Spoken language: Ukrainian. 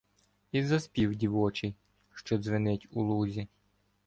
І за спів дівочий, що дзвенить у лузі